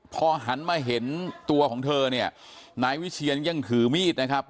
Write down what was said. พอหันมาเห็นตัวของเธอเนี่ยนายวิเชียนยังถือมีดนะครับ